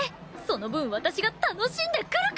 その分私が楽しんでくるから！